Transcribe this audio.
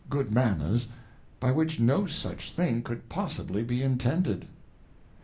good Manners, by which no such thing could possibly be intended.